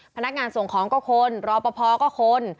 พนักงานส่งของก็คนรอปภก็คน